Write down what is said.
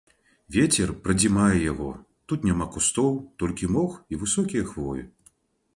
Вецер прадзімае яго, тут няма кустоў, толькі мох і высокія хвоі.